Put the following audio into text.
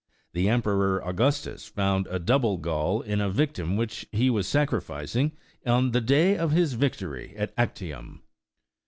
The Emperor Augustus found a double gall in a victim which he was sacrificing on the day of his victory at Actium.